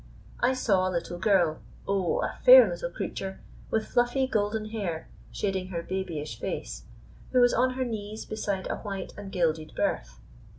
I saw a little girl, oh, a fair little creature, with fluffy, golden hair shading her babyish face, who was on her knees beside a white and gilded berth.